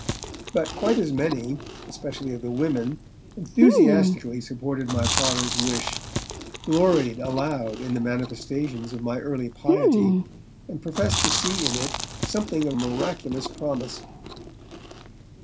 But quite as many, especially of the women, enthusiastically supported my Father's wish, gloried aloud in the manifestations of my early piety, and professed to see in it something of miraculous promise.